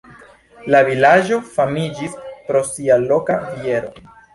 La vilaĝo famiĝis pro sia loka biero.